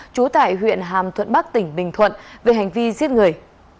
trú tại huyện hàm thuận bắc tỉnh bình thuận về hành vi giết người